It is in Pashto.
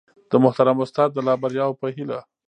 د محترم استاد د لا بریاوو په هیله